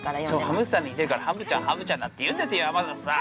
ハムスターに似てるからハムちゃん、ハムちゃんって言うんですよ、山里さん。